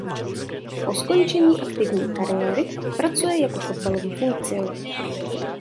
Po skončení aktivní kariéry pracuje jako fotbalový funkcionář.